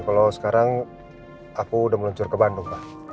kalau sekarang aku udah meluncur ke bandung